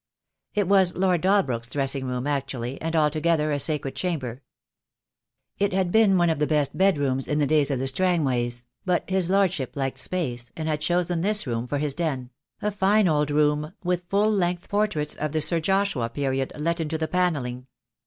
It was Lord Dalbrook's dressing room actually, and altogether a sacred chamber. It had been one of the best bedrooms in the days of the Strangways; but his Lordship liked space, and had chosen this room for his den — a fine old room, with full length portraits of the Sir Joshua period let into the panelling.